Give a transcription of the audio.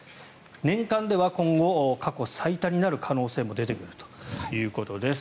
年間では今後、過去最多になる可能性も出てくるということです。